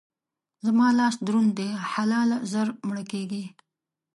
زما لاس دروند دی؛ حلاله ژر مړه کېږي.